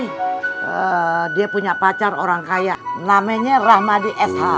ini dia punya pacar orang kaya namanya rahmadi sh